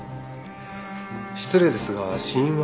失礼ですが死因は？